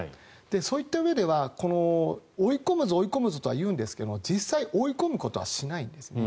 そういったうえでは追い込むぞ、追い込むぞとは言うんですが実際、追い込むことはしないんですね。